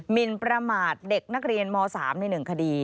มินประมาทเด็กนักเรียนม๓ใน๑คดี